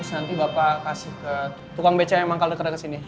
nanti bapak kasih ke tukang bca yang dekat dekat kesini